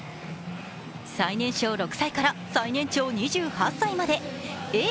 最年少６歳から最年長２８歳まで、Ａぇ！